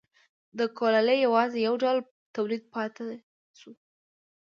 د کولالۍ یوازې یو ډول تولید پاتې شو.